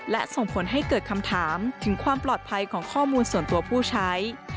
และส่งผลให้เกิดคำถามถึงความปลอดภัยของข้อมูลส่วนตัวผู้ใช้